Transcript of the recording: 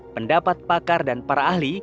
pendapat pakar dan para ahli